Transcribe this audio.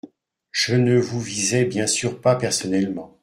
Je ne vous visais bien sûr pas personnellement.